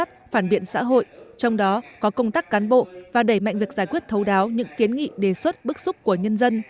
trong đó có công tác cán bộ và đẩy mạnh việc giải quyết thấu đáo những kiến nghị đề xuất bức xúc của nhân dân